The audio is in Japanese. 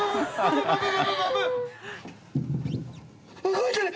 動いてる！